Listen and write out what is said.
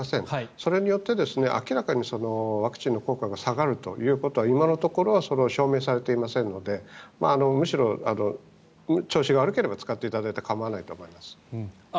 それによって明らかにワクチンの効果が下がるということは今のところはそれは証明されていませんのでむしろ、調子が悪ければ使っていただいて構わないと思います。